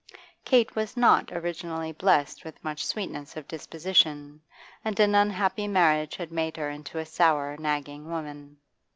Kate was not originally blessed with much sweetness of disposition, and an unhappy marriage had made her into a sour, nagging woman.